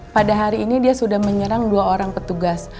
pada hari ini dia sudah menyerang dua orang petugas